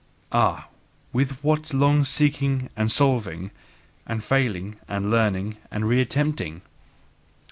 Ah, with what long seeking and solving and failing and learning and re attempting!